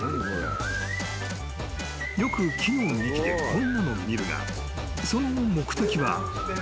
［よく木の幹でこんなの見るがその目的は］